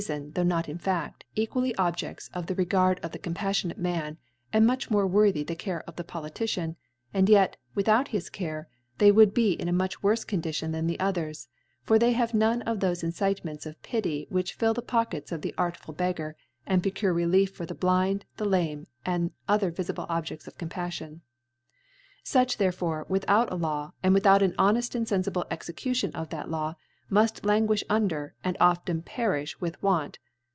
I come ( 7i > I come now to confider the fecpnd Clafsr Thefe are in Reafon, tho* not in Fad, equal ly Objedts of the Regard of the compaffion ate Man, and much more worthy the Care of the Politician j and yet, without his Care^' they will be in a much worfe Condition than the others : for they have none of thofe In citements of Pity which fill the Pockets of the artful Beggar, and procure Relief for the. Blind, the Lame, and other vifible Objeds of Compalfion : Such therefore, without a Law, and without an honeft and fenCible Execution of that Law, muft languifti un der, and often perifh with Want.